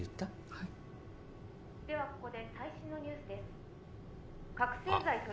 はいではここで最新のニュースです